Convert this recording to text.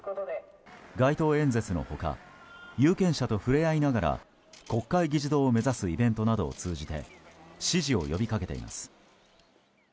街頭演説の他有権者と触れ合いながら国会議事堂を目指すイベントなどを通じて支持を呼びかけています。